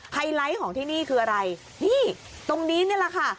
ไฮไลท์ของที่นี่คืออะไรนี่ตรงนี้นี่แหละค่ะ